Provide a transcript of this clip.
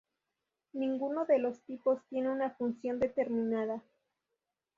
Ninguno de los tipos tiene una función determinada.